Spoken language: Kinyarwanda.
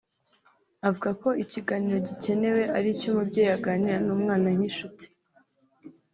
Avuga ko ikiganiro gikenewe ari icyo umubyeyi aganira n’umwana nk’inshuti